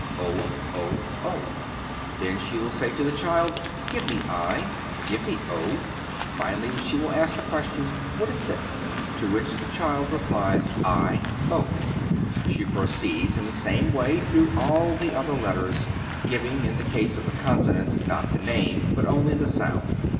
o, o, o!" Then she will say to the child: "Give me i!" "Give me o!" Finally, she will ask the question: "What is this?" To which the child replies, "i, o." She proceeds in the same way through all the other letters, giving, in the case of the consonants, not the name, but only the sound.